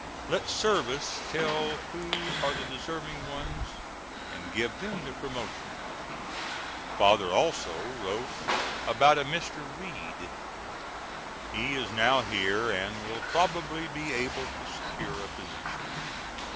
Let service tell who are the deserving ones and give them the promotion. Father also wrote about a Mr. Reed. He is now here and will probably be able to secure a position.